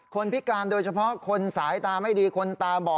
พิการโดยเฉพาะคนสายตาไม่ดีคนตาบ่อ